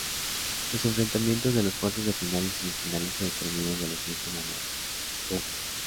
Los enfrentamientos de cuartos de final y semifinales se determinan de la siguiente manera:o.